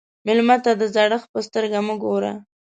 مېلمه ته د زړښت په سترګه مه ګوره.